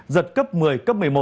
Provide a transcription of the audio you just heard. giật cấp một mươi cấp một mươi một